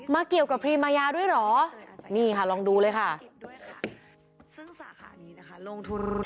เกี่ยวกับพรีมายาด้วยเหรอนี่ค่ะลองดูเลยค่ะ